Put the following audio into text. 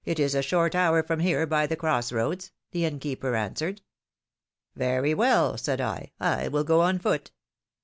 125 is a short hour from here by the cross roads/ the inn keeper answered. Very well/ said I, will go on foot.